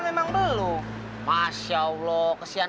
di mana stylishnya berbeda